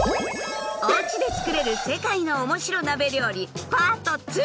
「おうちで作れる世界のおもしろなべ料理パート２！」。